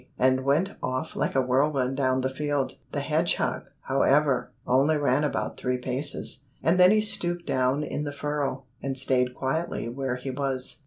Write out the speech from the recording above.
and went off like a whirlwind down the field. The hedgehog, however, only ran about three paces, and then he stooped down in the furrow, and stayed quietly where he was.